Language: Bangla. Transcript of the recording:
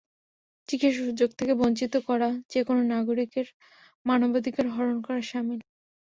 চিকিৎসার সুযোগ থেকে বঞ্চিত করা যেকোনো নাগরিকের মানবাধিকার হরণ করার শামিল।